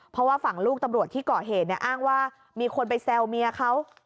เพราะว่าฝั่งลูกตำรวจที่ก่อเหตุเนี่ยอ้างว่ามีคนไปแซวเมียเขา